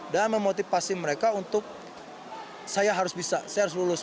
dan memotivasi mereka untuk saya harus bisa saya harus lulus